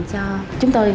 cho chúng tôi